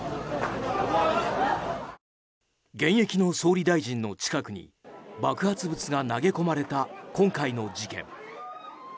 現役の総理大臣の近くに爆発物が投げ込まれた今回の事件。